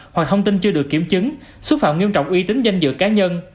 hoặc thông tin chưa được kiểm chứng xúc phạm nghiêm trọng uy tín danh dự cá nhân